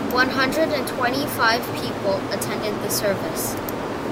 One hundred and twenty-five people attended the service.